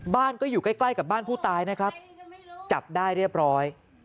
บ้านก็อยู่ใกล้ใกล้กับบ้านผู้ตายนะครับจับได้เรียบร้อย